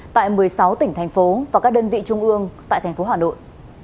tại một mươi sáu tỉnh thành phố và các đơn vị trung ương tại thành phố hà nội